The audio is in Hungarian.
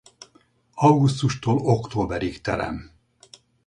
Augusztustól októberig terem.